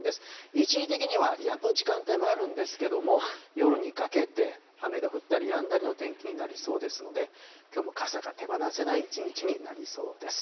一時的にはやむ時間帯もあるんですけれども、夜にかけて、雨が降ったりやんだりの天気になりそうですので、きょうも傘が手放せない一日になりそうです。